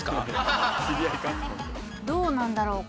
どうなんだろう？